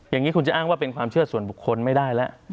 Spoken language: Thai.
อย่างนี้คุณจะอ้างว่าเป็นความเชื่อส่วนบุคคลไม่ได้แล้ว